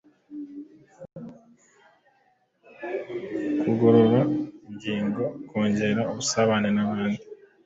kugorora ingingo, kongera ubusabane n’abandi